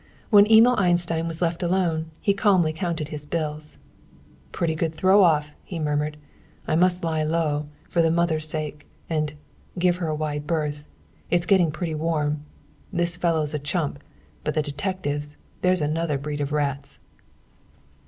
When Emil Einstein was left alone, he calmly counted his bills. "Pretty good throw off," he murmured. "I must lie low, for the mother's sake. And give her a wide berth. It's getting pretty warm. This fellow's a chump; but the detectives, there's another breed of rats!"